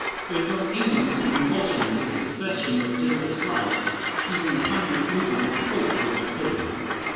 It had thrown England into the convulsions of a succession of general strikes, using the communist movement as a cloak for its activities.